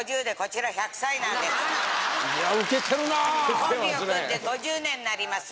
コンビを組んで５０年になります。